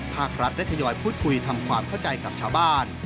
ภาครัฐได้ทยอยพูดคุยทำความเข้าใจกับชาวบ้าน